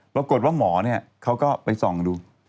ปรากฏว่าหมอเนี่ยเขาก็ไปส่องดู